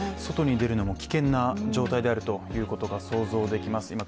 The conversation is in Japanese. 外に出るのも危険な状態であるということが想像できます。